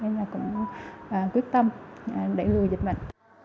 nên là cũng quyết tâm để lùi dịch mệnh